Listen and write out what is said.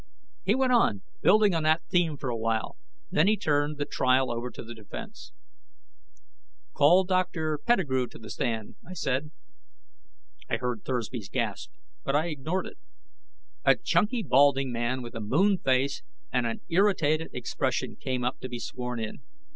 He went on, building on that theme for a while, then he turned the trial over to the defense. "Call Dr. Pettigrew to the stand," I said. I heard Thursby's gasp, but I ignored it. A chunky, balding man with a moon face and an irritated expression came up to be sworn in.